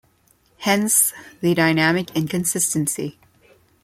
Hence, the dynamic inconsistency.